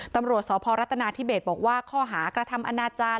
ตำรวจสพรัฐนาธิเบสบอกว่าข้อหากระทำอนาจารย์